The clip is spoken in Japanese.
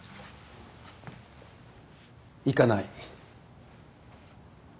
行かない。